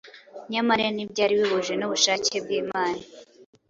Nyamara ntibyari bihuje n’ubushake bw’Imana